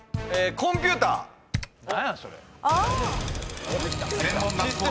コンピュータは⁉］